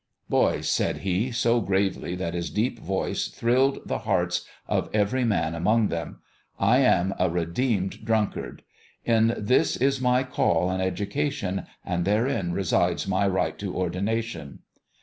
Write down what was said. " Boys," said he, so gravely that his deep voice thrilled the hearts of every man among them, " I am a re deemed drunkard : in this is my call and educa tion and therein resides my right to ordination."